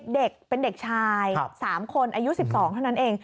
เด็กเป็นเด็กชาย๓คนอายุ๑๒เท่านั้นเอง